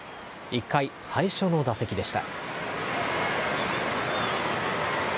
１回、最初の打席でした。